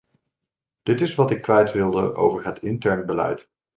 Dit is wat ik kwijt wilde over het intern beleid.